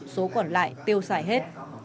số còn lại tiêu xài hết